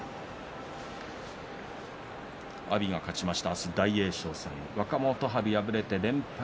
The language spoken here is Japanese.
阿炎が勝ちました。